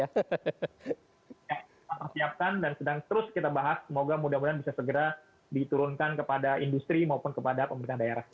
yang kita persiapkan dan sedang terus kita bahas semoga mudah mudahan bisa segera diturunkan kepada industri maupun kepada pemerintah daerah